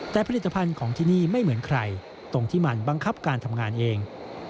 แต่ผลิตภัณฑ์ของที่นี่ไม่เหมือนใครตรงที่มันบังคับการทำงานเอง